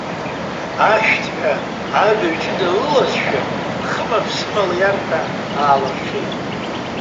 Ахьышәҭҳәа, абаҩ ҷыда лылалазшәа, хыма-ԥсыма лиарҭа аалырҽеит.